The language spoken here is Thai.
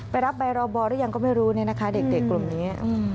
รับใบรอบอหรือยังก็ไม่รู้เนี่ยนะคะเด็กกลุ่มนี้